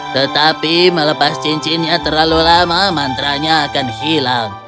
tetapi melepas cincinnya terlalu lama mantranya akan hilang